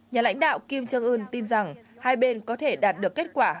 nhà lãnh đạo kim trương ưn tin rằng hai bên có thể đạt được kết quả